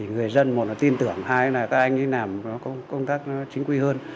người dân một là tin tưởng hai là các anh đi làm công tác nó chính quy hơn